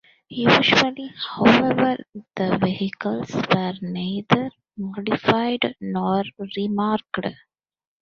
Usually, however, the vehicles were neither modified nor re-marked.